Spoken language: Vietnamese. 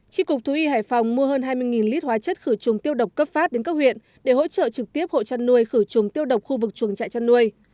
tri cục thú y hải phòng mua hơn hai mươi lít hóa chất khử trùng tiêu độc cấp phát đến các huyện để hỗ trợ trực tiếp hộ chăn nuôi khử trùng tiêu độc khu vực chuồng trại chăn nuôi